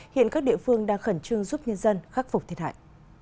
hiện các địa phương đang khẩn trương giúp nhân dân khắc phục thiệt hại